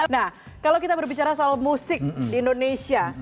nah kalau kita berbicara soal musik di indonesia